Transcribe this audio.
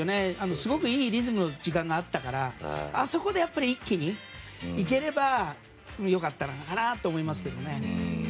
すごくいいリズムの時間があったからあそこで一気にいければよかったのかなと思いますけど。